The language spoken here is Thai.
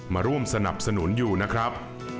มาร่วมสนับสนุนอยู่นะครับ